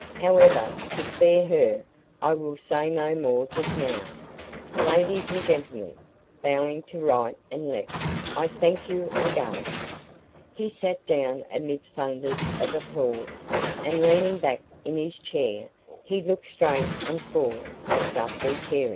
However, to spare her, I will say no more just now. Ladies and gentlemen" bowing to right and left "I thank you again." He sat down amid thunders of applause; and leaning back in his chair, he looked straight and full at Guthrie Carey.